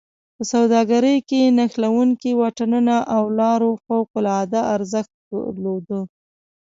په سوداګرۍ کې نښلوونکو واټونو او لارو فوق العاده ارزښت درلوده.